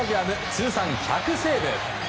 通算１００セーブ。